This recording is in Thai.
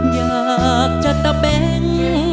อยากจะเตะเป้ง